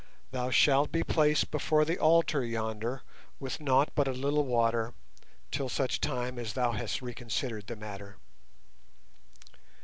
thou shalt be placed before the altar yonder with nought but a little water till such time as thou hast reconsidered the matter."